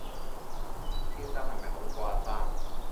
先生係咪好過阿生